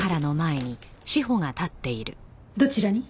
どちらに？